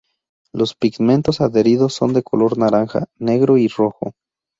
Los pigmentos adheridos son de color naranja, negro y rojo.